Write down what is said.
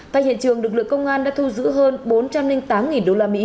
tại hiện trường lực lượng công an đã thu giữ hơn bốn trăm linh tám usd